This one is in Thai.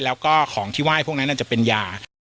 แล้วก็ของที่ว่ายพวกนั้นน่ะจะเป็นยา